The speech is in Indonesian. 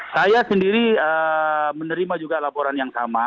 saya sendiri menerima juga laporan yang sama